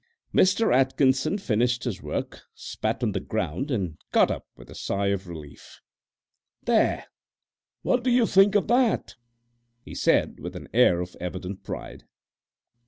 Mr. Atkinson finished his work, spat on the ground, and got up with a sigh of relief. "There! what do you think of that?" he said, with an air of evident pride.